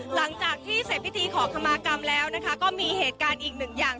หลังจากที่เสร็จพิธีขอขมากรรมแล้วนะคะก็มีเหตุการณ์อีกหนึ่งอย่าง